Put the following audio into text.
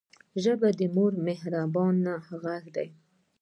ژبه د مور مهربانه غږ دی